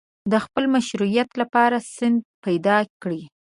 د خپل مشروعیت لپاره سند پیدا کړي.